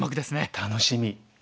楽しみ！